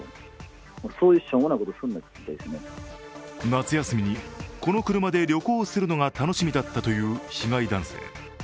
夏休みに、この車で旅行するのが楽しみだったという被害男性。